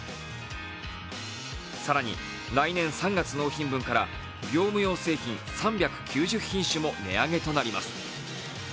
更に、来年３月納品分から業務用製品３９０品種も値上げとなります。